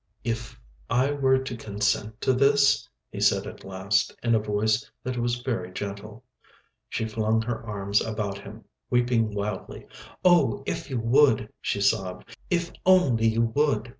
"If I were to consent to this?" he said at last, in a voice that was very gentle. She flung her arms about him, weeping wildly. "Oh, if you would," she sobbed, "if only you would!"